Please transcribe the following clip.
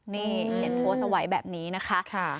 เขียนโทรสไหวแบบนี้นะคะ